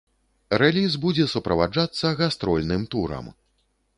Рэліз будзе суправаджацца гастрольным турам.